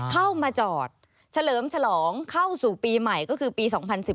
เข้ามาจอดเฉลิมฉลองเข้าสู่ปีใหม่ก็คือปี๒๐๑๘